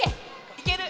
いける。